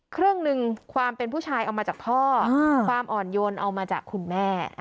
ครึ่งหนึ่งความเป็นผู้ชายเอามาจากพ่อความอ่อนโยนเอามาจากคุณแม่